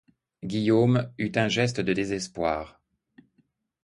Guillaume eut un geste de désespoir.